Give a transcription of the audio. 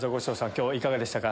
今日いかがでしたか？